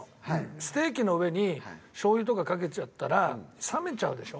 ステーキの上に醤油とかかけちゃったら冷めちゃうでしょ？